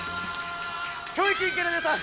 教育委員会の皆さん。